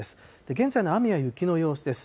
現在の雨や雪の様子です。